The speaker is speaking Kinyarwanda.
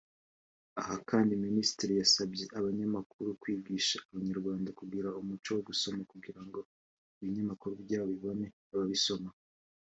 Aha kandi Ministiri yasabye abanyamakuru kwigisha Abanyarwanda kugira umuco wo gusoma kugira ngo ibinyamakuru byabo bibone ababisoma